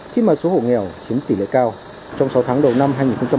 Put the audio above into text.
khi mà số hộ nghèo chiếm tỷ lệ cao trong sáu tháng đầu năm hai nghìn hai mươi